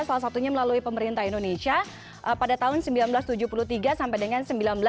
salah satunya melalui pemerintah indonesia pada tahun seribu sembilan ratus tujuh puluh tiga sampai dengan seribu sembilan ratus sembilan puluh